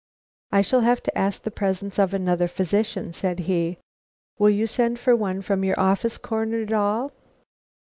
"I shall have to ask the presence of another physician," said he. "Will you send for one from your office, Coroner Dahl?"